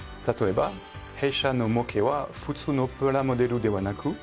例えば弊社の模型は普通のプラモデルではなく。